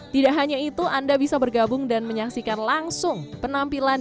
tidak hanya itu anda bisa bergabung dan menyaksikan langsung penampilan